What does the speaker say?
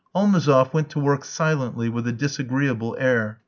Almazoff went to work silently, with a disagreeable air.